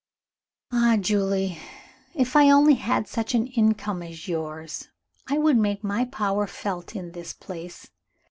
"Ah, Julie, if I only had such an income as yours, I would make my power felt in this place.